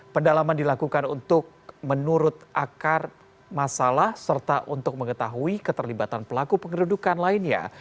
pendalaman dilakukan untuk menurut akar masalah serta untuk mengetahui keterlibatan pelaku pengerudukan lainnya